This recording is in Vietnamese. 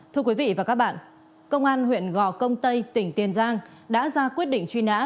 thưa quý vị và các bạn công an huyện gò công tây tỉnh tiền giang đã ra quyết định truy nã